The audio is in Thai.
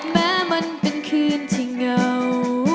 แม้มันเป็นคืนที่เหงา